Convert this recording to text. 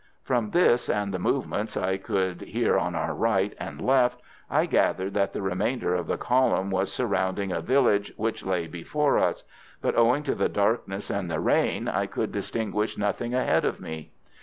From this, and the movements I could hear on our right and left, I gathered that the remainder of the column was surrounding a village which lay before us, but owing to the darkness and the rain I could distinguish nothing ahead of me.